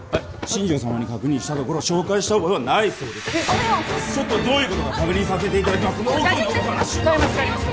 新庄様に確認したところ紹介した覚えはないそうですがちょっとどういうことか確認させていただきますので奥でお話帰ります帰ります